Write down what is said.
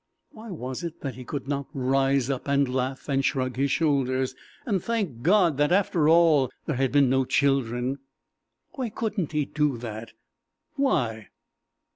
_ Why was it that he could not rise up and laugh and shrug his shoulders, and thank God that, after all, there had been no children? Why couldn't he do that? _Why?